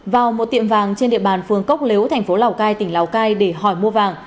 vào một tiệm vàng trên địa bàn phường cốc lếu thành phố lào cai tỉnh lào cai để hỏi mua vàng